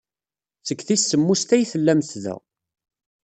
Seg tis semmuset ay tellamt da.